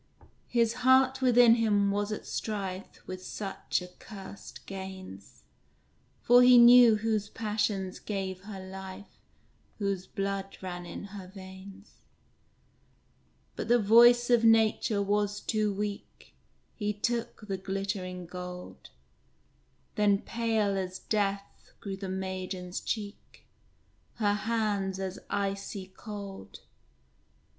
His heart within him was at strife With such accursed gains; For he knew whose passions gave her life, Whose blood ran in her veins. But the voice of nature was too weak; He took the glittering gold! Then pale as death grew the maiden's cheek, Her hands as icy cold.